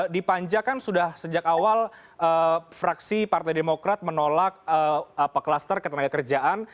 di panja kan sudah sejak awal fraksi partai demokrat menolak kluster ketenaga kerjaan